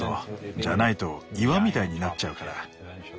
じゃないと岩みたいになっちゃうから。